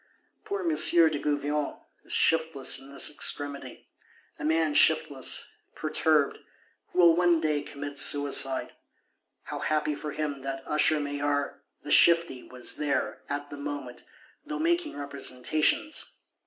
Poor M. de Gouvion is shiftless in this extremity;—a man shiftless, perturbed; who will one day commit suicide. How happy for him that Usher Maillard, the shifty, was there, at the moment, though making representations!